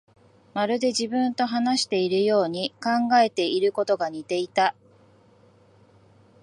まるで自分と話しているように、考えていることが似ていた